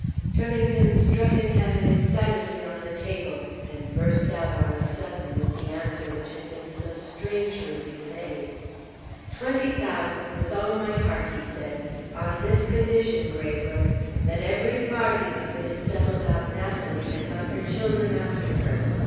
Turlington struck his hand excitedly on the table, and burst out on a sudden with the answer which had been so strangely delayed. "Twenty thousand with all my heart!" he said. "On this condition, Graybrooke, that every farthing of it is settled on Natalie, and on her children after her.